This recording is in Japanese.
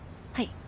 はい。